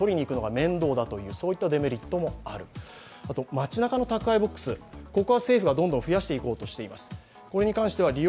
街なかの宅配ボックスは政府がどんどん増やしていこうとしています。